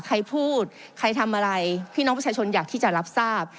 ใครพูดใครทำอะไรพี่น้องประชาชนอยากที่จะรับทราบ